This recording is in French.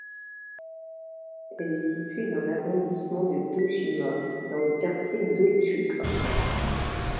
Elle est située dans l'arrondissement de Toshima, dans le quartier d'Ōtsuka.